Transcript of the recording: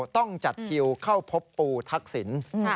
ต้องจัดคิวเข้าพบปูทักษิณ